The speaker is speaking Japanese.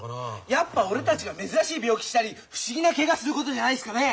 やっぱ俺たちが珍しい病気したり不思議なケガすることじゃないっすかねえ？